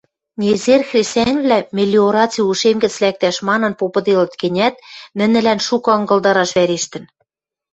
Незер хресӓньвлӓ мелиораци ушем гӹц лӓктӓш манын попыделыт гӹнят, нӹнӹлӓн шукы ынгылдараш вӓрештӹн.